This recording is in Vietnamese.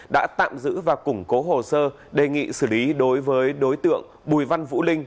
đã tạm giữ và củng cố hồ sơ đề nghị xử lý đối với đối tượng bùi văn vũ linh